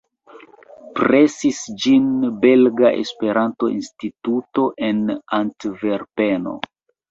Presis ĝin Belga Esperanto-Instituto en Antverpeno.